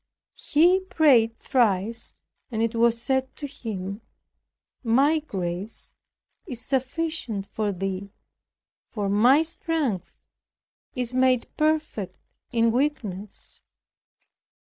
He prayed thrice, and it was said to him, "My grace is sufficient for thee; for my strength is made perfect in weakness."